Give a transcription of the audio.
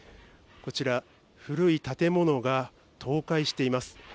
こちら、古い建物が倒壊しています。